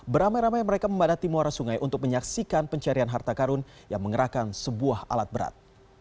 beramai ramai mereka membadati muara sungai untuk menyaksikan pencarian harta karun yang mengerahkan sebuah alat berat